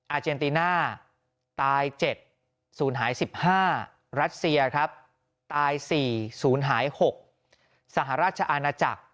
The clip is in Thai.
อาเจนติน่าตาย๗สูญหาย๑๕